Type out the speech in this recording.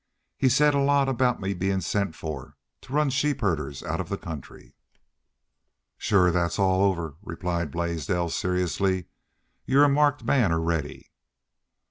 He said a lot about my bein' sent for to run sheep herders out of the country." "Shore that's all over," replied Blaisdell, seriously. "You're a marked man already."